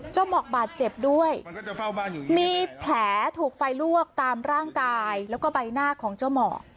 หมอกบาดเจ็บด้วยมีแผลถูกไฟลวกตามร่างกายแล้วก็ใบหน้าของเจ้าหมอก